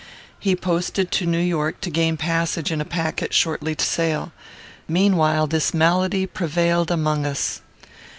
He posted to New York, to gain a passage in a packet shortly to sail. Meanwhile this malady prevailed among us.